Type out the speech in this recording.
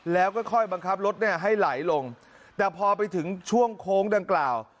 แล้วค่อยบังคับรถเนี่ยให้ไหลลงแต่พอไปถึงช่วงโค้งดังกล่าว